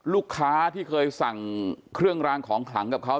ลูกค้าที่เคยสั่งเครื่องรางของขลังกับเขา